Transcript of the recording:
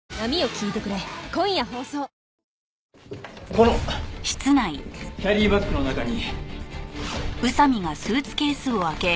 このキャリーバッグの中に。